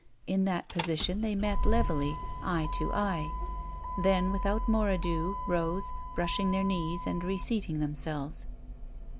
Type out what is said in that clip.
In that position they met levelly, eye to eye. Then without more ado rose, brushing their laiees and reseating themselves.